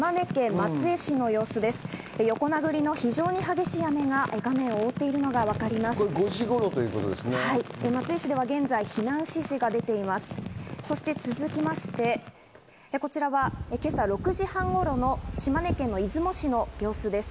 松江市では現在、避難指示が出ています。